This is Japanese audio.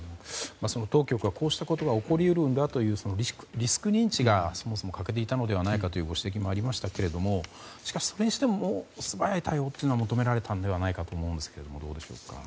当局はこうしたことが起こり得るんだというリスク認知がそもそも欠けていたのではというご指摘もありましたがしかし、それにしても素早い対応というのが求めれられたと思いますがどうでしょうか。